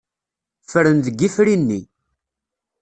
Ffren deg yifri-nni.